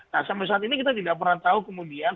nah sampai saat ini kita tidak pernah tahu kemudian